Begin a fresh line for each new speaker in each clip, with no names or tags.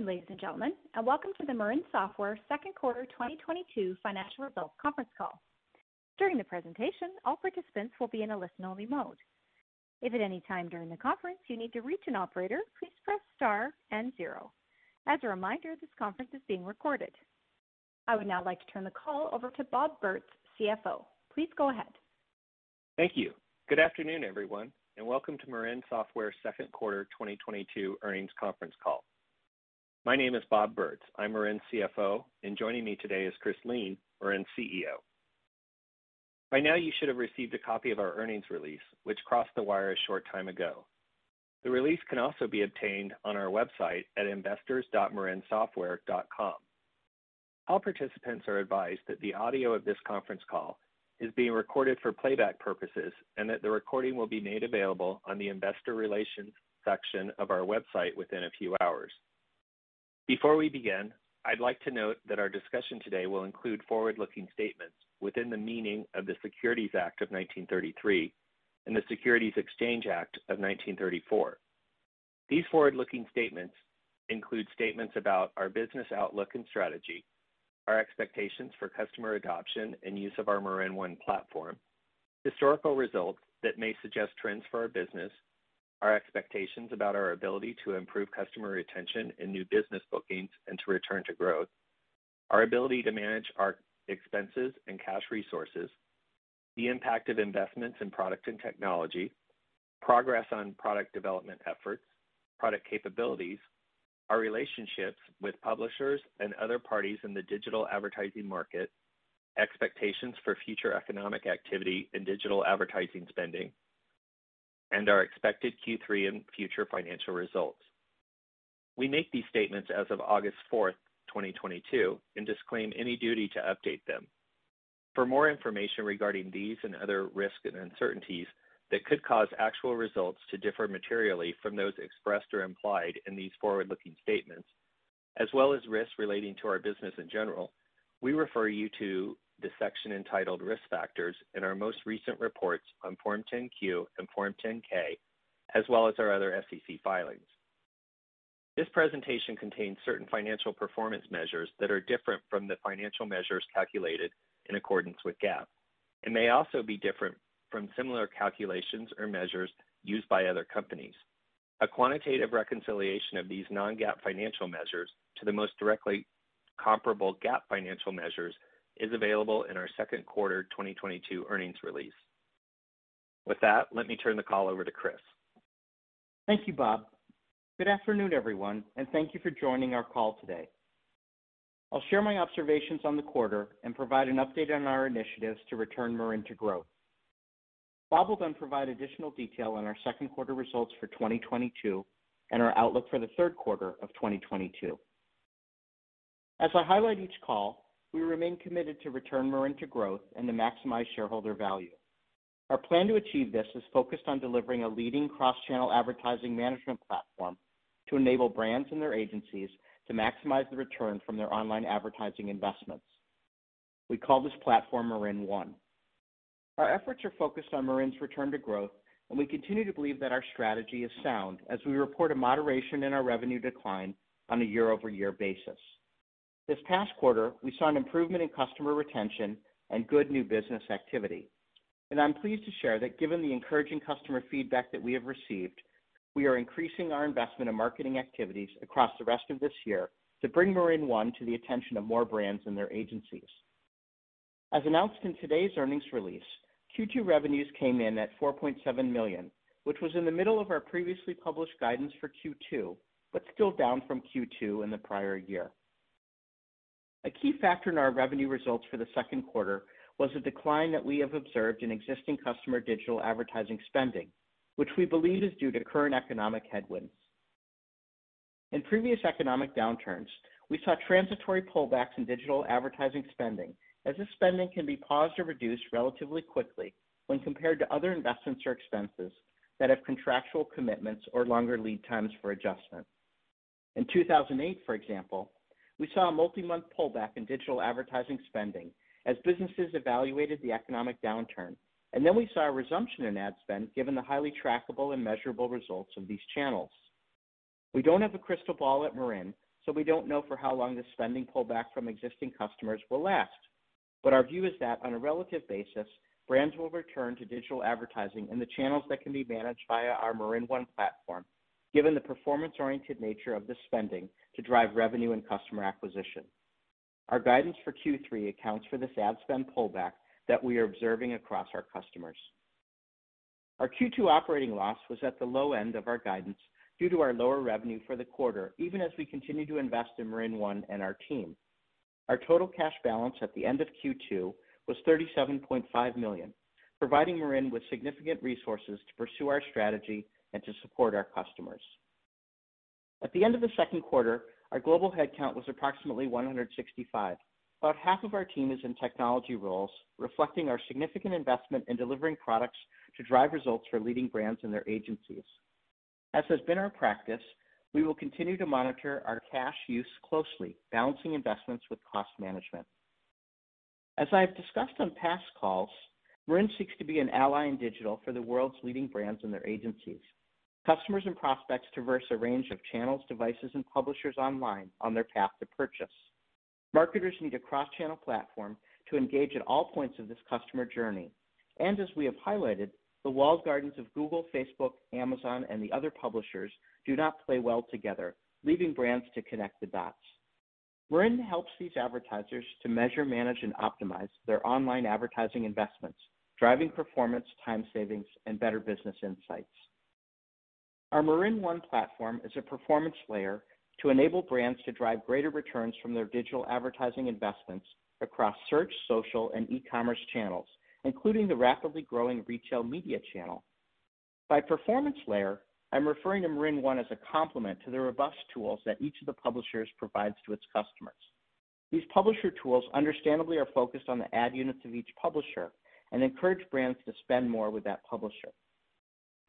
Good afternoon, ladies and gentlemen, and welcome to the Marin Software second quarter 2022 financial results conference call. During the presentation, all participants will be in a listen-only mode. If at any time during the conference you need to reach an operator, please press star and zero. As a reminder, this conference is being recorded. I would now like to turn the call over to Bob Bertz, CFO. Please go ahead.
Thank you. Good afternoon, everyone, and welcome to Marin Software second quarter 2022 earnings conference call. My name is Bob Bertz. I'm Marin's CFO, and joining me today is Chris Lien, Marin's CEO. By now, you should have received a copy of our earnings release, which crossed the wire a short time ago. The release can also be obtained on our website at investors.marinsoftware.com. All participants are advised that the audio of this conference call is being recorded for playback purposes, and that the recording will be made available on the investor relations section of our website within a few hours. Before we begin, I'd like to note that our discussion today will include forward-looking statements within the meaning of the Securities Act of 1933 and the Securities Exchange Act of 1934. These forward-looking statements include statements about our business outlook and strategy, our expectations for customer adoption and use of our MarinOne platform, historical results that may suggest trends for our business, our expectations about our ability to improve customer retention and new business bookings and to return to growth, our ability to manage our expenses and cash resources, the impact of investments in product and technology, progress on product development efforts, product capabilities, our relationships with publishers and other parties in the digital advertising market, expectations for future economic activity and digital advertising spending, and our expected Q3 and future financial results. We make these statements as of August 4, 2022, and disclaim any duty to update them. For more information regarding these and other risks and uncertainties that could cause actual results to differ materially from those expressed or implied in these forward-looking statements, as well as risks relating to our business in general, we refer you to the section entitled Risk Factors in our most recent reports on Form 10-Q and Form 10-K, as well as our other SEC filings. This presentation contains certain financial performance measures that are different from the financial measures calculated in accordance with GAAP and may also be different from similar calculations or measures used by other companies. A quantitative reconciliation of these non-GAAP financial measures to the most directly comparable GAAP financial measures is available in our second quarter 2022 earnings release. With that, let me turn the call over to Chris.
Thank you, Bob. Good afternoon, everyone, and thank you for joining our call today. I'll share my observations on the quarter and provide an update on our initiatives to return Marin to growth. Bob will then provide additional detail on our second quarter results for 2022 and our outlook for the third quarter of 2022. As I highlight each call, we remain committed to return Marin to growth and to maximize shareholder value. Our plan to achieve this is focused on delivering a leading cross-channel advertising management platform to enable brands and their agencies to maximize the return from their online advertising investments. We call this platform MarinOne. Our efforts are focused on Marin's return to growth, and we continue to believe that our strategy is sound as we report a moderation in our revenue decline on a year-over-year basis. This past quarter, we saw an improvement in customer retention and good new business activity. I'm pleased to share that given the encouraging customer feedback that we have received, we are increasing our investment in marketing activities across the rest of this year to bring MarinOne to the attention of more brands and their agencies. As announced in today's earnings release, Q2 revenues came in at $4.7 million, which was in the middle of our previously published guidance for Q2, but still down from Q2 in the prior year. A key factor in our revenue results for the second quarter was the decline that we have observed in existing customer digital advertising spending, which we believe is due to current economic headwinds. In previous economic downturns, we saw transitory pullbacks in digital advertising spending, as this spending can be paused or reduced relatively quickly when compared to other investments or expenses that have contractual commitments or longer lead times for adjustment. In 2008, for example, we saw a multi-month pullback in digital advertising spending as businesses evaluated the economic downturn, and then we saw a resumption in ad spend given the highly trackable and measurable results of these channels. We don't have a crystal ball at Marin, so we don't know for how long this spending pullback from existing customers will last. Our view is that on a relative basis, brands will return to digital advertising and the channels that can be managed via our MarinOne platform, given the performance-oriented nature of the spending to drive revenue and customer acquisition. Our guidance for Q3 accounts for this ad spend pullback that we are observing across our customers. Our Q2 operating loss was at the low end of our guidance due to our lower revenue for the quarter, even as we continue to invest in MarinOne and our team. Our total cash balance at the end of Q2 was $37.5 million, providing Marin with significant resources to pursue our strategy and to support our customers. At the end of the second quarter, our global headcount was approximately 165. About half of our team is in technology roles, reflecting our significant investment in delivering products to drive results for leading brands and their agencies. As has been our practice, we will continue to monitor our cash use closely, balancing investments with cost management. As I have discussed on past calls, Marin seeks to be an ally in digital for the world's leading brands and their agencies. Customers and prospects traverse a range of channels, devices, and publishers online on their path to purchase. Marketers need a cross-channel platform to engage at all points of this customer journey. As we have highlighted, the walled gardens of Google, Facebook, Amazon, and the other publishers do not play well together, leaving brands to connect the dots. Marin helps these advertisers to measure, manage, and optimize their online advertising investments, driving performance, time savings, and better business insights. Our MarinOne platform is a performance layer to enable brands to drive greater returns from their digital advertising investments across search, social, and e-commerce channels, including the rapidly growing retail media channel. By performance layer, I'm referring to MarinOne as a complement to the robust tools that each of the publishers provides to its customers. These publisher tools understandably are focused on the ad units of each publisher and encourage brands to spend more with that publisher.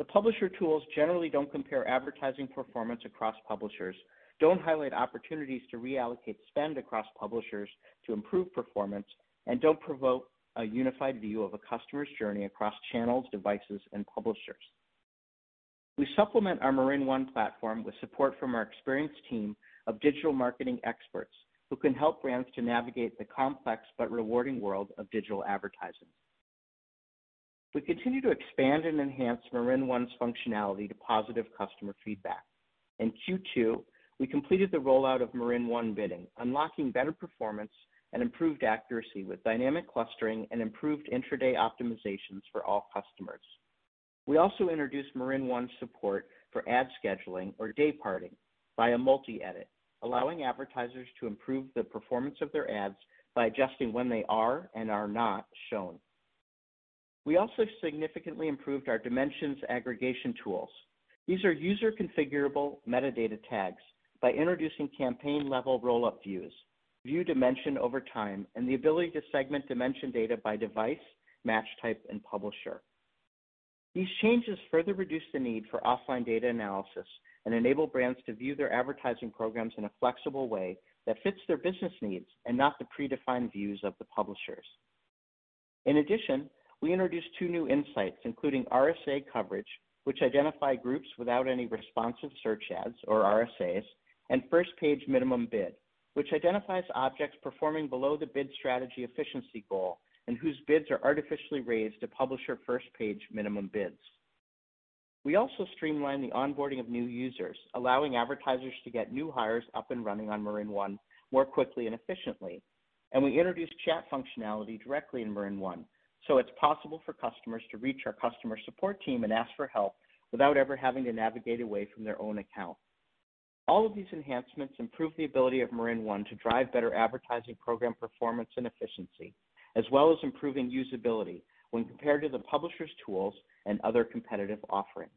The publisher tools generally don't compare advertising performance across publishers, don't highlight opportunities to reallocate spend across publishers to improve performance, and don't provoke a unified view of a customer's journey across channels, devices, and publishers. We supplement our MarinOne platform with support from our experienced team of digital marketing experts who can help brands to navigate the complex but rewarding world of digital advertising. We continue to expand and enhance MarinOne's functionality to positive customer feedback. In Q2, we completed the rollout of MarinOne bidding, unlocking better performance and improved accuracy with dynamic clustering and improved intraday optimizations for all customers. We also introduced MarinOne support for ad scheduling or dayparting via multi-edit, allowing advertisers to improve the performance of their ads by adjusting when they are and are not shown. We also significantly improved our dimensions aggregation tools. These are user-configurable metadata tags, by introducing campaign-level roll-up views, view dimension over time, and the ability to segment dimension data by device, match type, and publisher. These changes further reduce the need for offline data analysis and enable brands to view their advertising programs in a flexible way that fits their business needs and not the predefined views of the publishers. In addition, we introduced two new insights, including RSA coverage, which identify groups without any responsive search ads or RSAs, and first-page minimum bid, which identifies objects performing below the bid strategy efficiency goal and whose bids are artificially raised to publisher first-page minimum bids. We also streamlined the onboarding of new users, allowing advertisers to get new hires up and running on MarinOne more quickly and efficiently. We introduced chat functionality directly in MarinOne, so it's possible for customers to reach our customer support team and ask for help without ever having to navigate away from their own account. All of these enhancements improve the ability of MarinOne to drive better advertising program performance and efficiency, as well as improving usability when compared to the publisher's tools and other competitive offerings.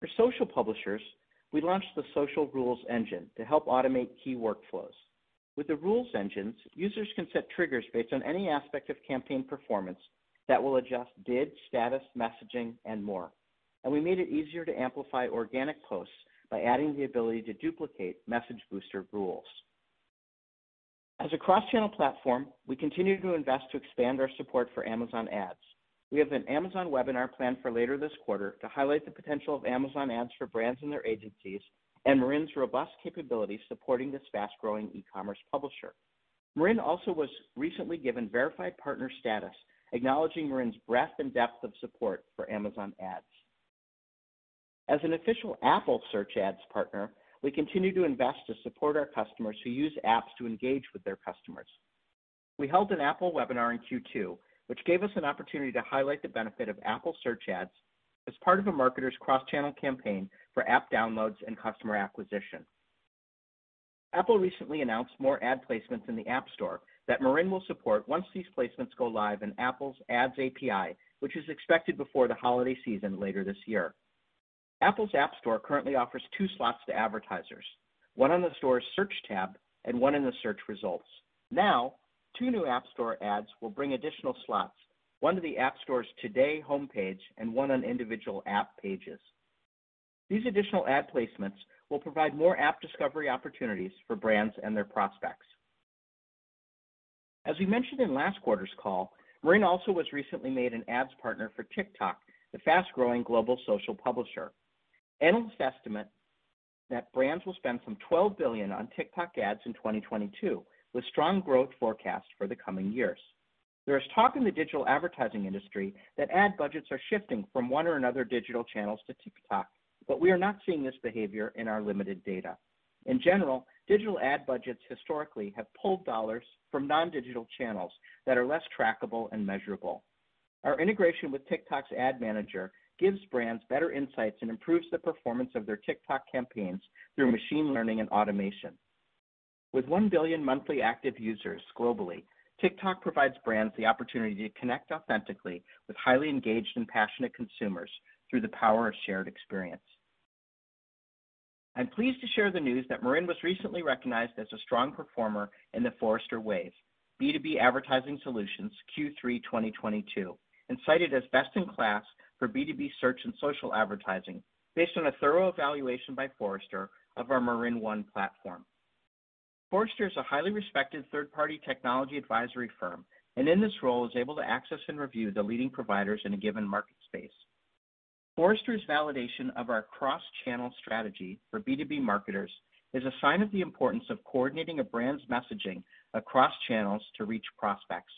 For social publishers, we launched the Social Rules Engine to help automate key workflows. With the Rules Engines, users can set triggers based on any aspect of campaign performance that will adjust bids, status, messaging, and more. We made it easier to amplify organic posts by adding the ability to duplicate message booster rules. As a cross-channel platform, we continue to invest to expand our support for Amazon Ads. We have an Amazon webinar planned for later this quarter to highlight the potential of Amazon Ads for brands and their agencies and Marin's robust capabilities supporting this fast-growing e-commerce publisher. Marin also was recently given verified partner status, acknowledging Marin's breadth and depth of support for Amazon Ads. As an official Apple Search Ads partner, we continue to invest to support our customers who use apps to engage with their customers. We held an Apple webinar in Q2, which gave us an opportunity to highlight the benefit of Apple Search Ads as part of a marketer's cross-channel campaign for app downloads and customer acquisition. Apple recently announced more ad placements in the App Store that Marin will support once these placements go live in Apple Ads API, which is expected before the holiday season later this year. Apple's App Store currently offers two slots to advertisers, one on the store's search tab and one in the search results. Now, two new App Store ads will bring additional slots, one to the App Store's Today homepage and one on individual app pages. These additional ad placements will provide more app discovery opportunities for brands and their prospects. As we mentioned in last quarter's call, Marin also was recently made an ads partner for TikTok, the fast-growing global social publisher. Analysts estimate that brands will spend some $12 billion on TikTok ads in 2022, with strong growth forecast for the coming years. There is talk in the digital advertising industry that ad budgets are shifting from one or another digital channels to TikTok, but we are not seeing this behavior in our limited data. In general, digital ad budgets historically have pulled dollars from non-digital channels that are less trackable and measurable. Our integration with TikTok's Ads Manager gives brands better insights and improves the performance of their TikTok campaigns through machine learning and automation. With 1 billion monthly active users globally, TikTok provides brands the opportunity to connect authentically with highly engaged and passionate consumers through the power of shared experience. I'm pleased to share the news that Marin was recently recognized as a strong performer in The Forrester Wave B2B advertising solutions Q3 2022, and cited as best in class for B2B search and social advertising based on a thorough evaluation by Forrester of our MarinOne platform. Forrester is a highly respected third-party technology advisory firm, and in this role is able to access and review the leading providers in a given market space. Forrester's validation of our cross-channel strategy for B2B marketers is a sign of the importance of coordinating a brand's messaging across channels to reach prospects.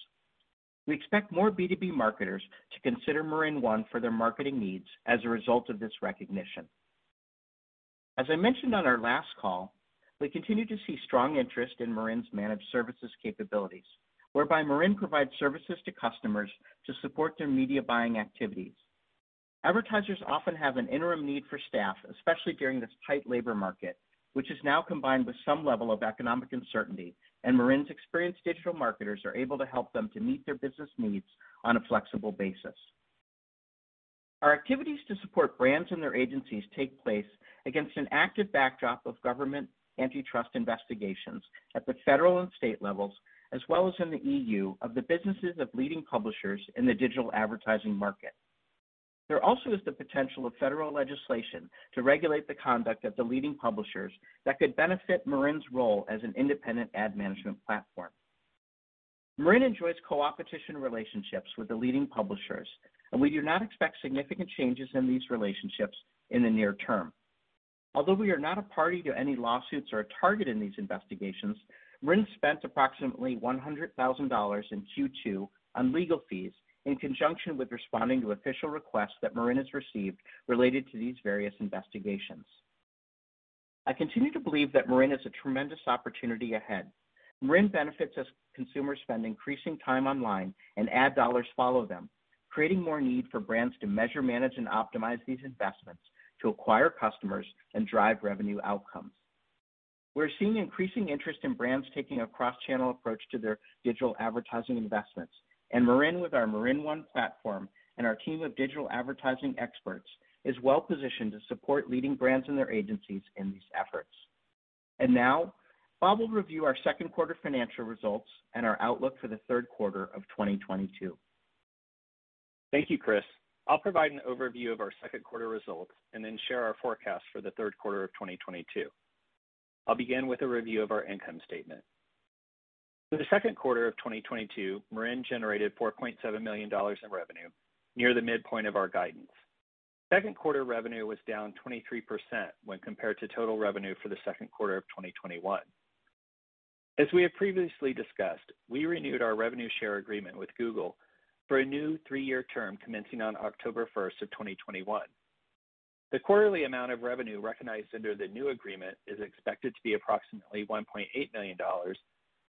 We expect more B2B marketers to consider MarinOne for their marketing needs as a result of this recognition. As I mentioned on our last call, we continue to see strong interest in Marin's managed services capabilities, whereby Marin provides services to customers to support their media buying activities. Advertisers often have an interim need for staff, especially during this tight labor market, which is now combined with some level of economic uncertainty, and Marin's experienced digital marketers are able to help them to meet their business needs on a flexible basis. Our activities to support brands and their agencies take place against an active backdrop of government antitrust investigations at the federal and state levels, as well as in the EU of the businesses of leading publishers in the digital advertising market. There also is the potential of federal legislation to regulate the conduct of the leading publishers that could benefit Marin's role as an independent ad management platform. Marin enjoys coopetition relationships with the leading publishers, and we do not expect significant changes in these relationships in the near-term. Although we are not a party to any lawsuits or a target in these investigations, Marin spent approximately $100,000 in Q2 on legal fees in conjunction with responding to official requests that Marin has received related to these various investigations. I continue to believe that Marin has a tremendous opportunity ahead. Marin benefits as consumers spend increasing time online and ad dollars follow them, creating more need for brands to measure, manage, and optimize these investments to acquire customers and drive revenue outcomes. We're seeing increasing interest in brands taking a cross-channel approach to their digital advertising investments, and Marin, with our MarinOne platform and our team of digital advertising experts, is well-positioned to support leading brands and their agencies in these efforts. Now, Bob will review our second quarter financial results and our outlook for the third quarter of 2022.
Thank you, Chris. I'll provide an overview of our second quarter results and then share our forecast for the third quarter of 2022. I'll begin with a review of our income statement. For the second quarter of 2022, Marin generated $4.7 million in revenue, near the midpoint of our guidance. Second quarter revenue was down 23% when compared to total revenue for the second quarter of 2021. As we have previously discussed, we renewed our revenue share agreement with Google for a new three-year term commencing on October 1, 2021. The quarterly amount of revenue recognized under the new agreement is expected to be approximately $1.8 million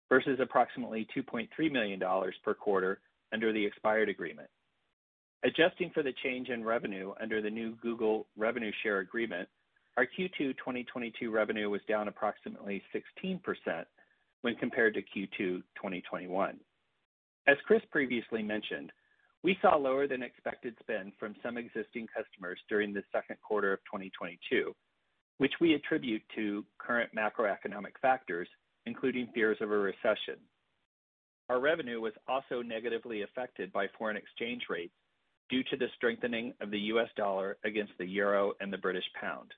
versus approximately $2.3 million per quarter under the expired agreement. Adjusting for the change in revenue under the new Google revenue share agreement, our Q2 2022 revenue was down approximately 16% when compared to Q2 2021. As Chris previously mentioned, we saw lower than expected spend from some existing customers during the second quarter of 2022, which we attribute to current macroeconomic factors, including fears of a recession. Our revenue was also negatively affected by foreign exchange rates due to the strengthening of the U.S. dollar against the euro and the British pound.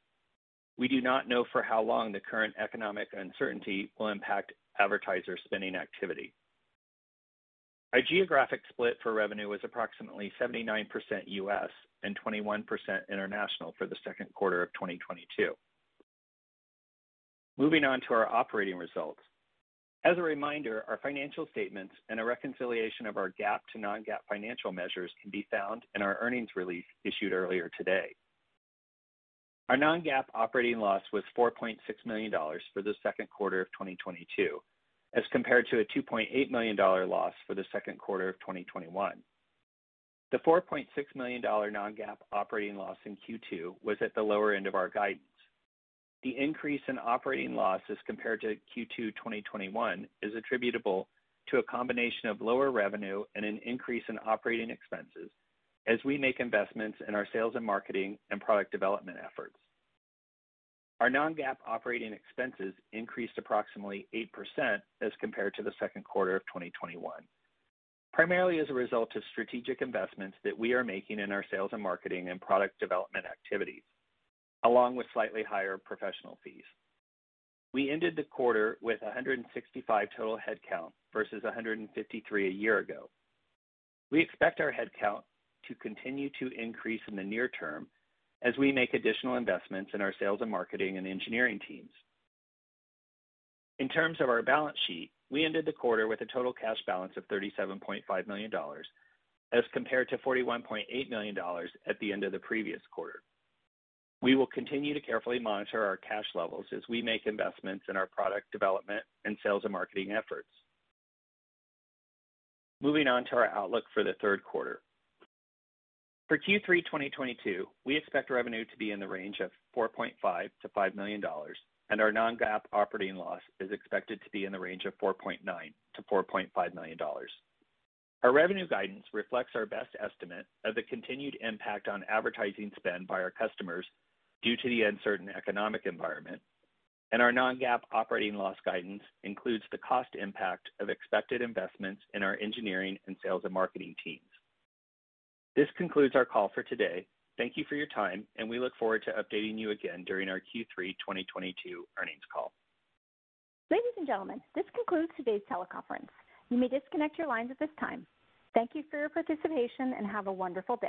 We do not know for how long the current economic uncertainty will impact advertiser spending activity. Our geographic split for revenue was approximately 79% U.S. and 21% international for the second quarter of 2022. Moving on to our operating results. As a reminder, our financial statements and a reconciliation of our GAAP to non-GAAP financial measures can be found in our earnings release issued earlier today. Our non-GAAP operating loss was $4.6 million for the second quarter of 2022, as compared to a $2.8 million loss for the second quarter of 2021. The $4.6 million non-GAAP operating loss in Q2 was at the lower end of our guidance. The increase in operating loss as compared to Q2 2021 is attributable to a combination of lower revenue and an increase in operating expenses as we make investments in our sales and marketing and product development efforts. Our non-GAAP operating expenses increased approximately 8% as compared to the second quarter of 2021, primarily as a result of strategic investments that we are making in our sales and marketing and product development activities, along with slightly higher professional fees. We ended the quarter with 165 total headcount versus 153 a year ago. We expect our headcount to continue to increase in the near-term as we make additional investments in our sales and marketing and engineering teams. In terms of our balance sheet, we ended the quarter with a total cash balance of $37.5 million as compared to $41.8 million at the end of the previous quarter. We will continue to carefully monitor our cash levels as we make investments in our product development and sales and marketing efforts. Moving on to our outlook for the third quarter. For Q3 2022, we expect revenue to be in the range of $4.5 million-$5 million, and our non-GAAP operating loss is expected to be in the range of $4.9 million-$4.5 million. Our revenue guidance reflects our best estimate of the continued impact on advertising spend by our customers due to the uncertain economic environment. Our non-GAAP operating loss guidance includes the cost impact of expected investments in our engineering and sales and marketing teams. This concludes our call for today. Thank you for your time, and we look forward to updating you again during our Q3 2022 earnings call.
Ladies and gentlemen, this concludes today's teleconference. You may disconnect your lines at this time. Thank you for your participation, and have a wonderful day.